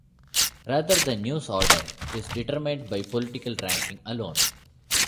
Rather the news order is determined by political ranking alone.